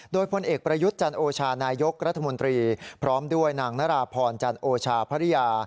โดยพลเอกประยุทธ์จันโอชานายกรัฐมนตรีพร้อมด้วยนางนราพรจันโอชาภรรยา